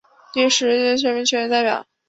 第十一届全国人大代表。